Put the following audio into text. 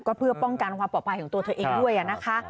ก็เพื่อป้องกันความปลอดภัยของตัวเธอเองด้วยนะคะ